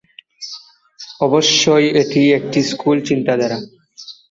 অবশ্য এটি একটি স্থুল চিন্তাধারা।